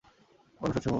অনুষদ সমূহ